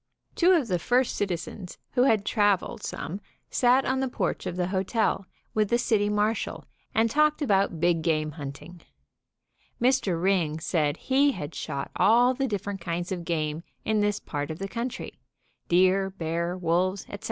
Two of the first citizens who had traveled some sat on the porch of the hotel, with the city marshal, and talked about big ELEPHANT HUNTING IN WISCONSIN 125 game hunting. Mr. Ring said he had shot all the different kinds of game in this part of the country, deer, bear, wolves, etc.